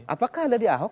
apakah ada di ahok